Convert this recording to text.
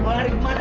mau lari kemana